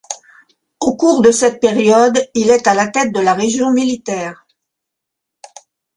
Au cours de cette période, il est à la tête de la région militaire.